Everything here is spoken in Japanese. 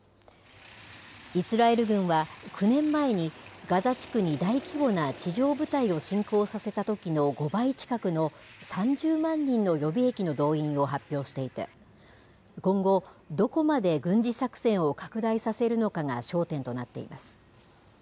イスラエル軍は９年前に、ガザ地区に大規模な地上部隊を侵攻させたときの５倍近くの３０万人の予備役の動員を発表していて、今後、どこまで軍事作戦を拡大させるのかが焦点となっています。